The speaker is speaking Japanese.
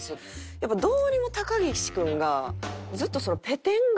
やっぱりどうにも高岸君がずっとペテン顔。